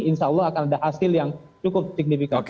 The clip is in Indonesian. insya allah akan ada hasil yang cukup signifikan